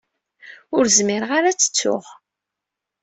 Ur zmireɣ ara ad tt-ttuɣ.